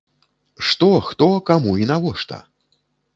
Што, хто, каму і навошта?